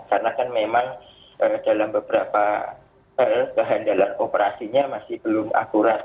karena kan memang dalam beberapa kehandalan operasinya masih belum akurat